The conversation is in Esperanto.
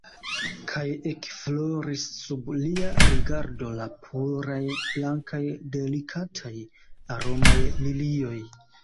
Kaj ekfloris sub lia rigardo la puraj, blankaj, delikataj, aromaj lilioj.